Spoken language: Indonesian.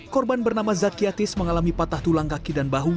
korban bernama zakiatis mengalami patah tulang kaki dan bahu